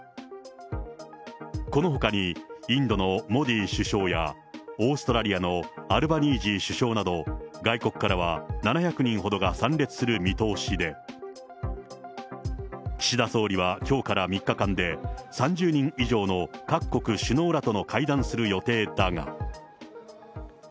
このほかにインドのモディ首相や、オーストラリアのアルバニージー首相など、外国からは７００人ほどが参列する見通しで、岸田総理はきょうから３日間で、３０人以上の各国首脳らと会談する予定だが。